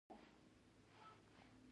له ټولو یې خره جوړ کړي.